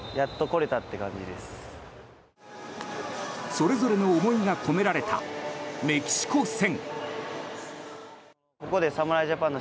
それぞれの思いが込められたメキシコ戦。